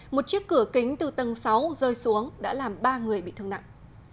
một chiếc cửa kính từ tầng sáu rơi xuống đã làm ba người bị thương nặng